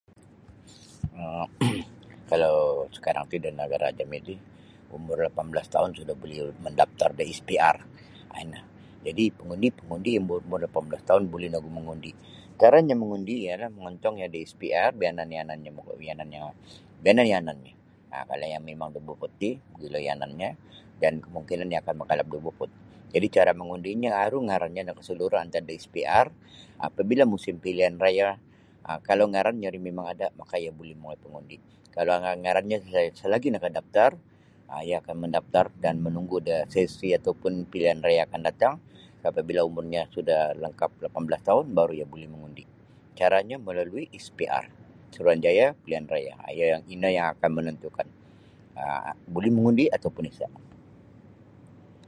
um kalau sakarang ti da nagara' jami' ti umur lapan belas taun sudah buli mandaftar da SPR ah ino. Jadi' pangundi'-pangundi' umur lapan belas taun buli nogu mangundi'. Caranyo mangundi' ialah mongontong iyo da SPR biyanan yanannyo ogu biyanan yanannyo kalau iyo mimang da Beaufort ti kalau yanannyo dan kamungkinan iyo akan makalap da Beaufort jadi' cara mangundinyo aru ngarannyo nakasalura' antad da SPR apabila' musim pilihan raya um kalau ngarannyo ri mimang ada maka iyo buli mangundi' kalau ngarannyo isa' lagi nakadaftar um iyo akan mandaftar dan manunggu da sesi atau pun pilihan raya akan datang apabila' umurnyo sudah langkap lapan belas taun baru' iyo buli mangundi'. Caranyo melalui SPR Suruhanjaya Pilihan Raya ino yang akan manantu'kan um buli mangundi' atau pun isa'